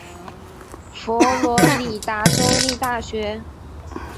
佛罗里达州立大学。